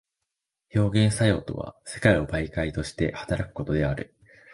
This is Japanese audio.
表現作用とは世界を媒介として働くことである。